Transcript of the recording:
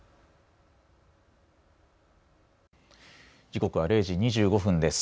時刻は０時２５分です。